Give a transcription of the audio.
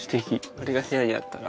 これが部屋にあったら。